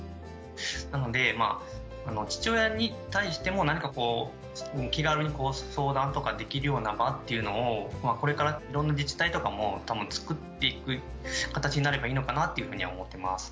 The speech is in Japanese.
なので父親に対しても何かこう気軽に相談とかできるような場っていうのをこれからいろんな自治体とかもつくっていく形になればいいのかなっていうふうには思ってます。